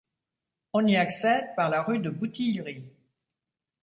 On y accède par la rue de Boutillerie.